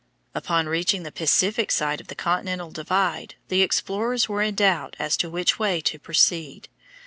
Upon reaching the Pacific side of the continental divide the explorers were in doubt as to which way to proceed.